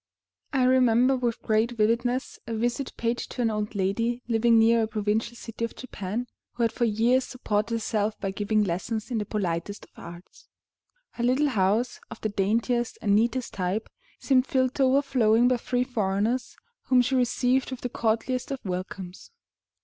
[*45] I remember with great vividness a visit paid to an old lady living near a provincial city of Japan, who had for years supported herself by giving lessons in this politest of arts. Her little house, of the daintiest and neatest type, seemed filled to overflowing by three foreigners, whom she received with the courtliest of welcomes.